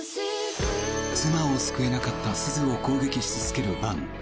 妻を救えなかった鈴を攻撃し続ける伴。